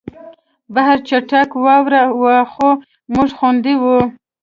بهر چټکه واوره وه خو موږ خوندي وو